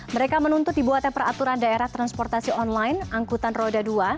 mereka menuntut dibuatnya peraturan daerah transportasi online angkutan roda dua